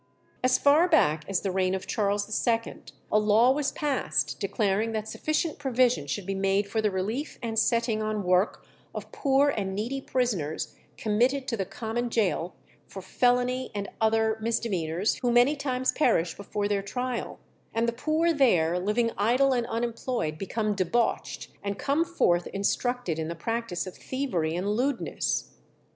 As far back as the reign of Charles II., a law was passed declaring that sufficient provision should be made for the relief and setting on work of "poor and needy prisoners committed to the common jail for felony and other misdemeanours, who many times perish before their trial; and the poor there living idle and unemployed become debauched, and come forth instructed in the practice of thievery and lewdness."